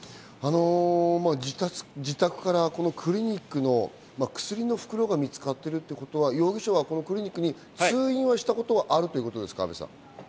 自宅からクリニックの薬の袋が見つかってるっていうことは容疑者はこのクリニックに通院はしたことがあるということですか？